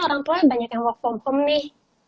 orang tua banyak yang work from home nih